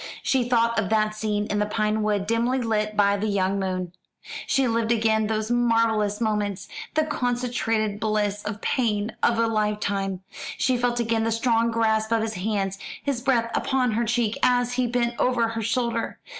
She thought of that scene in the pine wood, dimly lit by the young moon. She lived again those marvellous moments the concentrated bliss and pain of a lifetime. She felt again the strong grasp of his hands, his breath upon her cheek, as he bent over her shoulder.